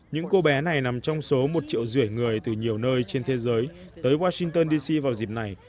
những cô bé này nằm trong số một triệu rưỡi người từ nhiều nơi trên thế giới tới washington dc vào dịp này